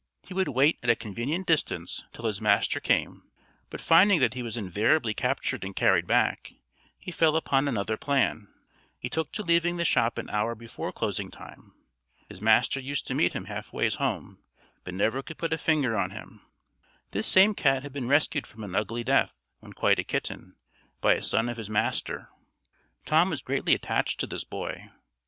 He would wait at a convenient distance till his master came; but finding that he was invariably captured and carried back, he fell upon another plan: he took to leaving the shop an hour before closing time. His master used to meet him half ways home, but never could put a finger on him. This same cat had been rescued from an ugly death, when quite a kitten, by a son of his master. Tom was greatly attached to this boy.